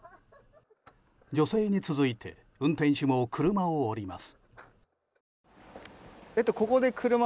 女性に続いて運転手も車を降ります。